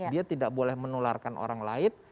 dia tidak boleh menularkan orang lain